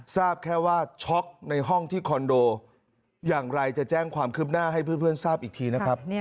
ทราบแค่ว่าช็อกในห้องที่คอนโดอย่างไรจะแจ้งความคืบหน้าให้เพื่อนทราบอีกทีนะครับ